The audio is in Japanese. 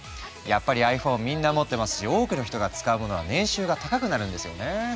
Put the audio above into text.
やっぱりｉＰｈｏｎｅみんな持ってますし多くの人が使うものは年収が高くなるんですよね。